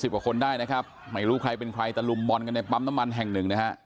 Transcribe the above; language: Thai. กว่าคนได้นะครับไม่รู้ใครเป็นใครตะลุมบอลกันในปั๊มน้ำมันแห่งหนึ่งนะฮะ